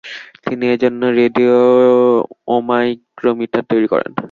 তিনি এজন্য রেডিওমাইক্রোমিটার তৈরি করেন।